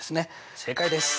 正解です。